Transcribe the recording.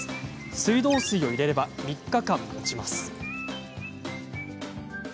水道水を入れれば３日間もちます。